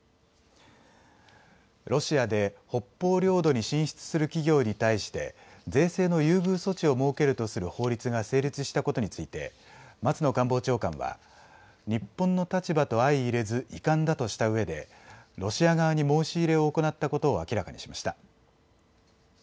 ロシアで北方領土に進出する企業に対して税制の優遇措置を設けるとする法律が成立したことについて松野官房長官は日本の立場と相いれず遺憾だとしたうえでロシア側に申し入れを行ったことを明らかにしました。